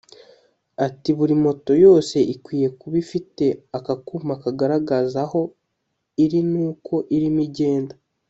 Ati “Buri moto yose ikwiye kuba ifite aka kuma kagaragaza aho iri n’uko irimo igenda